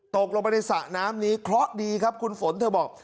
ตกลงไปในสระน้ำนี้เคราะห์ดีครับคุณฝนเธอบอก